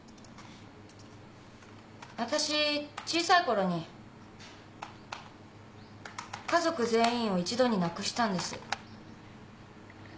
わたし小さいころに家族全員を一度に亡くしたんです。